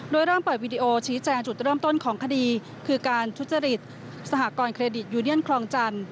โดยเริ่มเปิดวีดีโอชี้แจงจุดเริ่มต้นของคดีคือการทุจริตสหกรณเครดิตยูเนียนคลองจันทร์